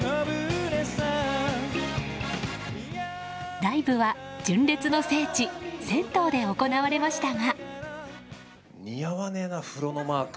ライブは純烈の聖地銭湯で行われましたが。